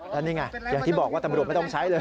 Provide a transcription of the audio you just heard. แล้วนี่ไงอย่างที่บอกว่าตำรวจไม่ต้องใช้เลย